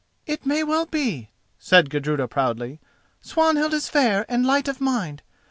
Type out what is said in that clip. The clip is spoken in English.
"It may well be," said Gudruda, proudly; "Swanhild is fair and light of mind.